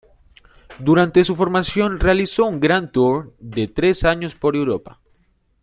Durante su formación realizó un "grand tour" de tres años por Europa.